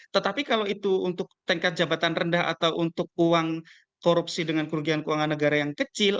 tetapi kalau itu untuk tingkat jabatan rendah atau untuk uang korupsi dengan kerugian keuangan negara yang kecil